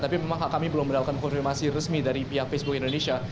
tapi memang kami belum mendapatkan konfirmasi resmi dari pihak facebook indonesia